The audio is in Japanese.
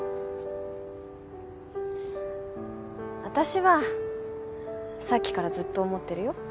私はさっきからずっと思ってるよ。